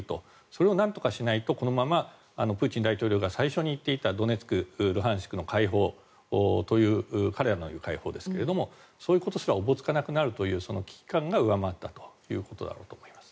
それをなんとかしないとこのまま、プーチン大統領が最初に言っていたドネツク、ルハンシクの解放という彼らの言う解放ですがそういうことすらおぼつかなくなるという危機感が上回ったということだろうと思います。